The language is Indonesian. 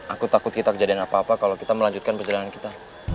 aku takut kita kejadian apa apa kalau kita melanjutkan perjalanan kita